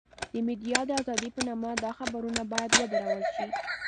د ميډيا د ازادۍ په نامه دا خبرونه بايد ودرول شي.